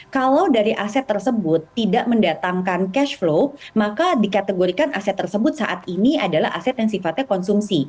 kalau dari aset tersebut tidak mendatangkan cash flow maka dikategorikan aset tersebut saat ini adalah aset yang sifatnya konsumsi